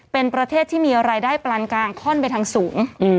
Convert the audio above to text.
เป็นประเทศที่มีรายได้ปานกลางค่อนไปทางสูง